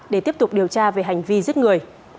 để tiếp tục điều tra về hành vi giết người